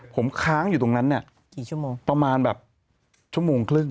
ผมค้างอยู่ตรงนั้นเนี่ยกี่ชั่วโมงประมาณแบบชั่วโมงครึ่ง